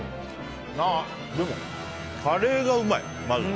でもカレーがうまい、まず。